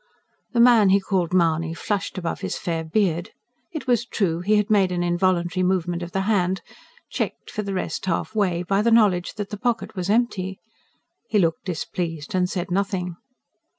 The man he called Mahony flushed above his fair beard. It was true: he had made an involuntary movement of the hand checked for the rest halfway, by the knowledge that the pocket was empty. He looked displeased and said nothing.